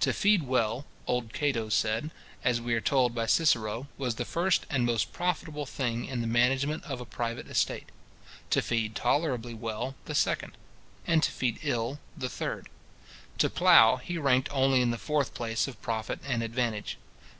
To feed well, old Cato said, as we are told by Cicero, was the first and most profitable thing in the management of a private estate; to feed tolerably well, the second; and to feed ill, the third. To plough, he ranked only in the fourth place of profit and advantage.